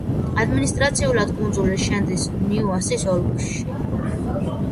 ადმინისტრაციულად კუნძული შედის ნიუასის ოლქში.